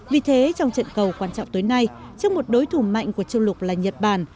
vì thế trong trận cầu quan trọng tối nay trước một đối thủ mạnh của châu lục là nhật bản